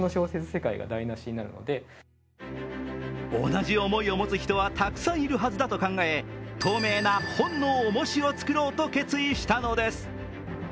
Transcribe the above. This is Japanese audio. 同じ思いを持つ人はたくさんいるはずだと考え透明な本の重しを作ろうと決意したのです。